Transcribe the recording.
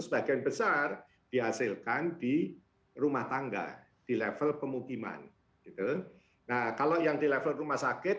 sebagian besar dihasilkan di rumah tangga di level pemukiman gitu nah kalau yang di level rumah sakit